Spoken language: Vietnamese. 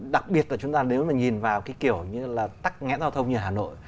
đặc biệt là chúng ta nếu mà nhìn vào cái kiểu như là tắc nghẽn giao thông như hà nội